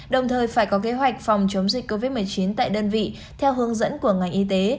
đồng thời phải có kế hoạch phòng chống dịch covid một mươi chín tại đơn vị theo hướng dẫn của ngành y tế